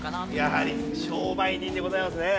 やはり商売人でございますね。